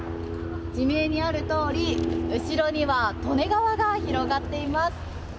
地名にあるとおり後ろには利根川が広がっています。